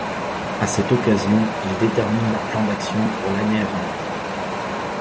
À cette occasion, ils déterminent leur plan d'action pour l'année à venir.